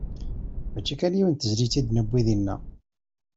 Mačči kan yiwet n tezlit i d-newwi dinna.